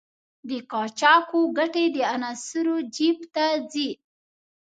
د قاچاقو ګټې د عناصرو جېب ته ځي.